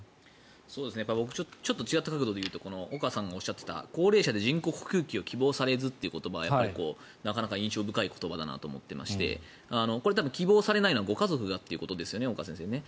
ちょっと違った角度で言うと岡さんがおっしゃっていた高齢者で人工呼吸器を希望されずという言葉がなかなか印象深い言葉だなと思うんですがこれ、多分希望されないのはご家族がということですよね？